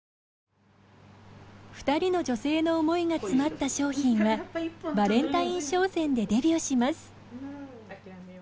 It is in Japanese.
２人の女性の思いが詰まった商品はバレンタイン商戦でデビューします。